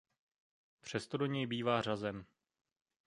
Přesto do něj bývá řazen.